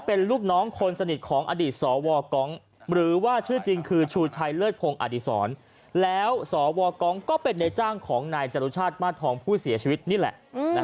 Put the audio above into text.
เป็นลูกน้องคนสนิทของอดีตสวกองหรือว่าชื่อจริงคือชูชัยเลิศพงศ์อดีศรแล้วสวกองก็เป็นในจ้างของนายจรุชาติมาสทองผู้เสียชีวิตนี่แหละ